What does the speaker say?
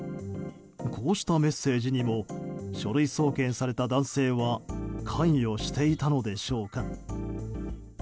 こうしたメッセージにも書類送検された男性は関与していたのでしょうか。